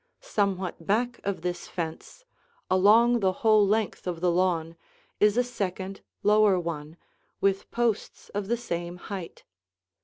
Somewhat back of this fence, along the whole length of the lawn, is a second lower one, with posts of the same height.